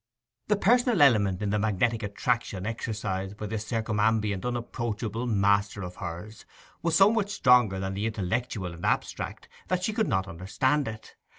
The personal element in the magnetic attraction exercised by this circumambient, unapproachable master of hers was so much stronger than the intellectual and abstract that she could not understand it.